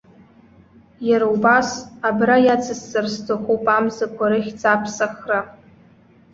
Иара убас, абра иацысҵар сҭахуп амзақәа рыхьӡ аԥсахра.